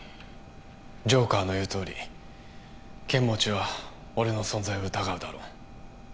ジョーカーの言うとおり剣持は俺の存在を疑うだろう